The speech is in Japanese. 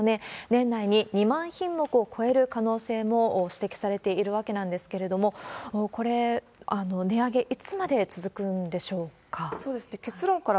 年内に２万品目を超える可能性も指摘されているわけなんですけれども、これ、値上げいつまで続くんでしょうか？